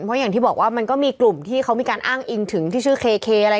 เพราะอย่างที่บอกว่ามันก็มีกลุ่มที่เขามีการอ้างอิงถึงที่ชื่อเคอะไร